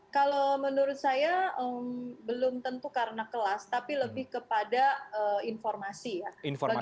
kalau menurut saya belum tentu karena kelas tapi lebih kepada informasi ya